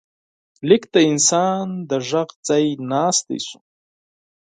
لیک د انسان د غږ ځای ناستی شو.